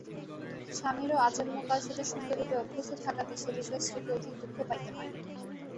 স্বামীরও আজন্মকাল সেটা সুন্দররূপে অভ্যস্ত থাকাতে সে বিষয়ে স্ত্রীকে অধিক দুঃখ পাইতে হয় নাই।